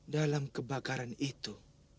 dalam kebakaran itu